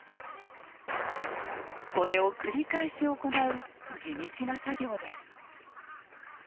これを繰り返し行う地道な作業です。